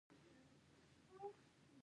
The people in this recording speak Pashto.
په دې کې د سر غوڅول او په دار کول شامل وو.